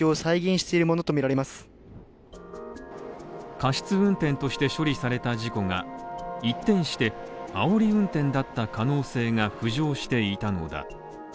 過失運転として処理された事故が一転してあおり運転だった可能性が浮上していたのだ。